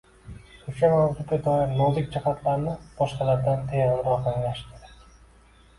o‘sha mavzuga doir nozik jihatlarni boshqalardan teranroq anglashi kerak.